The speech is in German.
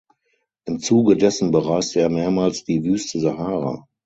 Im Zuge dessen bereiste er mehrmals die Wüste Sahara.